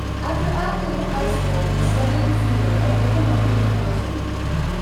After acting at high school he studied theater at Villanova University.